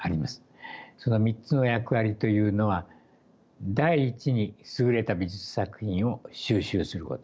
その３つの役割というのは第一に優れた美術作品を収集すること。